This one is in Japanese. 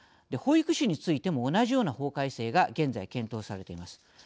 保育士についても同じような法改正が現在検討されています。